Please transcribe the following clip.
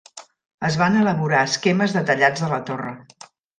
Es van elaborar esquemes detallats de la torre.